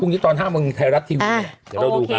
ตอนนี้ตอนห้ามมึงไทยรัฐทีวีเดี๋ยวเราดูค่ะ